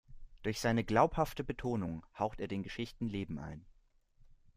Durch seine glaubhafte Betonung haucht er den Geschichten Leben ein.